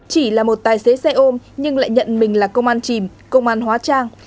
chỉ là một tài xế xe ôm nhưng lại nhận mình là công an chìm công an hóa trang